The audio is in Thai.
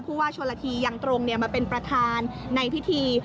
ว่าชนละทียังตรงมาเป็นประธานในพิธี